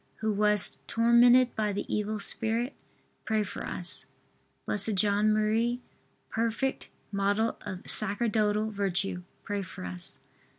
who wast tormented by the evil spirit, pray for us. B. J. M., perfect model of sacerdotal virtue, pray for us.